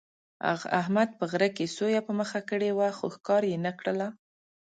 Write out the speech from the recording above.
احمد په غره کې سویه په مخه کړې وه، خو ښکار یې نه کړله.